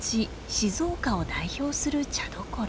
静岡を代表する茶どころ。